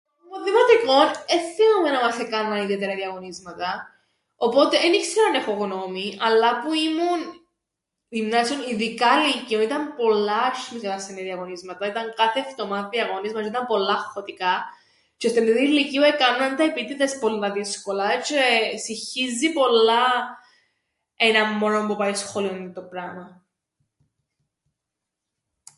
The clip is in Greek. Που 'μουν δημοτικόν εν θθυμούμαι να μας εκάμναν ιδιαίτερα διαγωνίσματα, οπότε εν ι-ξέρω αν έχω γνώμην, αλλά που ήμουν γυμνάσιον ειδικά λύκειον ήταν πολλά άσ̆σ̆ημη η κατάσταση με τα διαγωνίσματα, ήταν κάθε φτομάν διαγώνισμαν τζ̆αι ήταν πολλά αγχωτικά τζ̆αι στην τρίτην λυκείου εκάμναν τα επίτηδες πολλά δύσκολα τζ̆αι συγχύζει πολλά έναν μωρό που πάει σχολείον τούντο πράμαν.